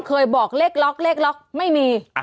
เคยบอกเลขล็อกไม่มี